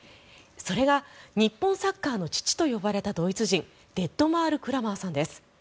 それが日本サッカーの父と呼ばれたドイツ人デットマール・クラマーさんです。